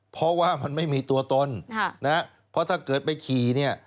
เพราะว่ามันไม่มีตัวตนเพราะถ้าเกิดไปขี่เนี่ย